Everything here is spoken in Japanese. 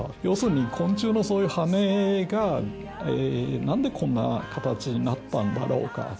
要するに昆虫のそういうハネがなんでこんな形になったんだろうか？